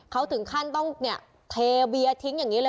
เขาถึงขั้นต้องเนี่ยเทเบียร์ทิ้งอย่างนี้เลย